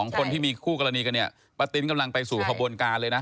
คนที่มีคู่กรณีกันเนี่ยป้าติ๊นกำลังไปสู่ขบวนการเลยนะ